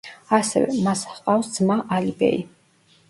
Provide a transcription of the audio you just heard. ასევე, მას ჰყავდა ძმა ალი-ბეი.